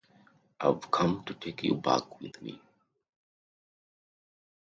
I've come to take you back with me.